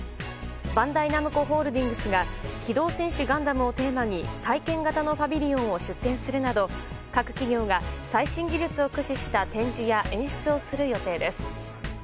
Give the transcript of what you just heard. バンダイナムコホールディングスが「機動戦士ガンダム」をテーマに体験型のパビリオンを出展するなど各企業が最新技術を駆使した展示や演出をする予定です。